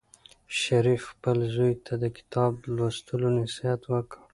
شریف خپل زوی ته د کتاب لوستلو نصیحت وکړ.